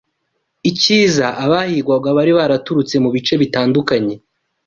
ikiza abahigwaga bari baraturutse mu bice bitandukanye